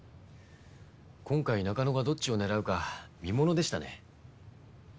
今回中野がどっちを狙うか見ものでしたね。